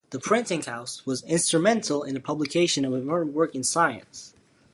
The printing house was instrumental in the publication of important work in science.